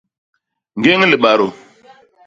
Ñgéñ libadô.